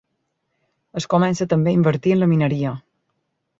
Es comença també a invertir en la mineria.